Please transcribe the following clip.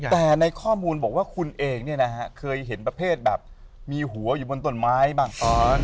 แต่ในข้อมูลบอกว่าคุณเองเนี่ยนะฮะเคยเห็นประเภทแบบมีหัวอยู่บนต้นไม้บ้างตอน